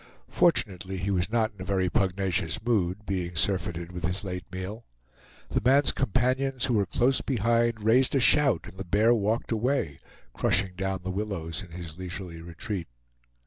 Fortunately he was not in a very pugnacious mood, being surfeited with his late meal. The man's companions, who were close behind, raised a shout and the bear walked away, crushing down the willows in his leisurely retreat.